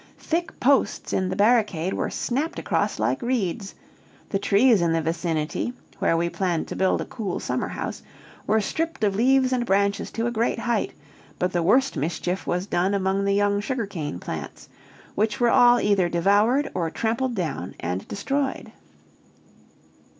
Thick posts in the barricade were snapped across like reeds; the trees in the vicinity, where we planned to build a cool summer house, were stripped of leaves and branches to a great height, but the worst mischief was done among the young sugar cane plants, which were all either devoured or trampled down and destroyed.